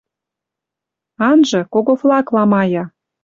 Анжы, кого флаг ламая